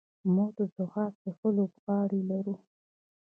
موږ د ځغاستې ښه لوبغاړي لرو.